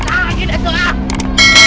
tahan lagi dah